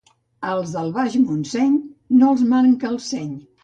Als del Baix Montseny no els manca el seny